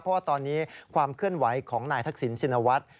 เพราะว่าตอนนี้ความเคลื่อนไหวของนายทักษิณชินวัฒน์